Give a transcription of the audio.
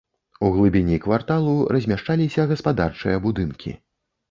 У глыбіні кварталу размяшчаліся гаспадарчыя будынкі.